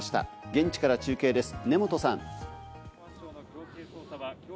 現地から中継です、根本さん。